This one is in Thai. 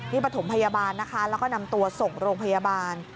นี่ประถมพยาบาลนะคะแล้วก็นำตัวส่งโรงพยาบาล